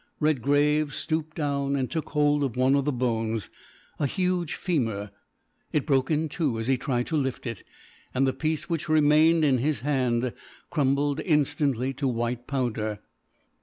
Redgrave stooped down and took hold of one of the bones, a huge femur. It broke in two as he tried to lift it, and the piece which remained in his hand crumbled instantly to white powder.